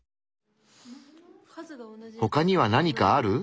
ほかには何かある？